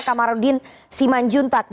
kamarudin siman juntat